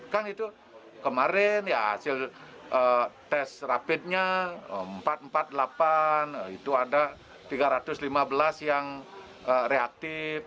kan itu kemarin ya hasil tes rapidnya empat ratus empat puluh delapan itu ada tiga ratus lima belas yang reaktif